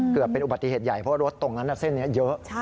เกิดเป็นอุบัติเหตุใหญ่เพราะรถตรงนั้นเส้นนี้เยอะ